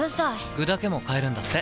具だけも買えるんだって。